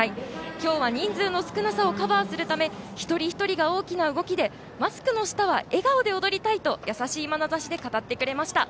今日は人数の少なさをカバーするため一人一人が大きな動きでマスクの下は笑顔で踊りたいと優しいまなざしで語ってくれました。